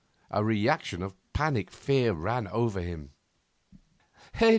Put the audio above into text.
A reaction of panic fear ran over him.